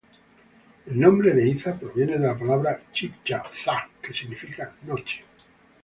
El nombre de Iza proviene de la palabra Chibcha "za" que significa noche.